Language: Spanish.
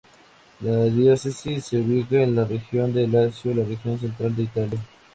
La diócesis se ubica en la región de Lacio, la región central de Italia.